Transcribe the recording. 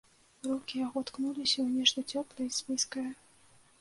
Рукі яго ткнуліся ў нешта цёплае і слізкае.